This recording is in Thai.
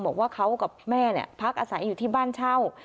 บอกว่าเขากับแม่พักอาศัยอยู่ที่บ้านเช่า